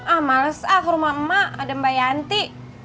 ah males ah ke rumah emak emak ada mbak yanti